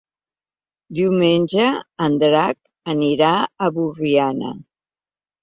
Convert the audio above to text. Diumenge en Drac anirà a Borriana.